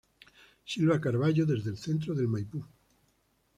Silva Carvallo desde el centro de Maipú.